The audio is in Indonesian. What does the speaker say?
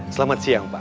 selamat siang pak